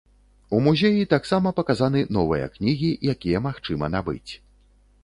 У музеі таксама паказаны новыя кнігі, якія магчыма набыць.